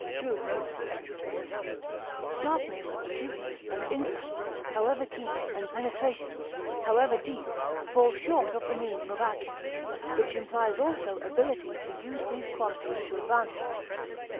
discernment, penetration, Sharpness, acuteness, and insight, however keen, and penetration, however deep, fall short of the meaning of acumen, which implies also ability to use these qualities to advantage.